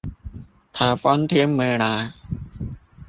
颱風天沒來